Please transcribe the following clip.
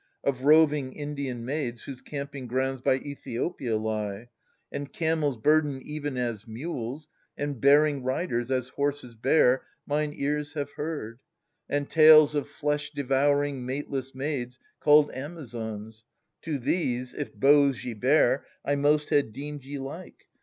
Of roving Indian maids Whose camping grounds by Ethiopia lie, ^ 37>o And camels burdened even as mules, and bearing Riders, as horses bear, mine ears have heard ; And tales of flesh devouring mateless maids Called Amazons : to these, if bows ye bare, 1 most had deemed you like.